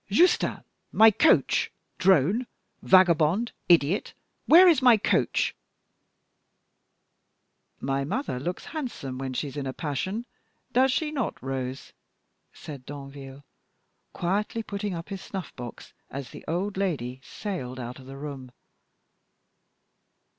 Justin! my coach drone, vagabond, idiot, where is my coach?" "My mother looks handsome when she is in a passion, does she not, Rose?" said Danville, quietly putting up his snuff box as the old lady sailed out of the room.